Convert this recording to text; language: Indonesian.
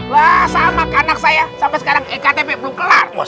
lah sama kanak saya sampai sekarang ektp belum kelar